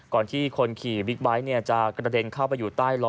ก่อนที่คนขี่บิ๊กไบท์จะกระเด็นเข้าไปอยู่ใต้ล้อ